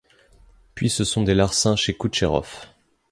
Puis ce sont des larcins chez Koutchérov.